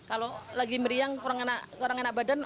kalau lagi meriang kurang enak badan